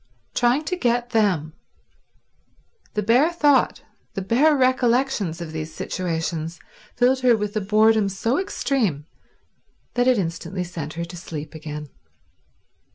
Trying to get them! The bare thought, the bare recollection of these situations, filled her with a boredom so extreme that it instantly sent her to sleep again.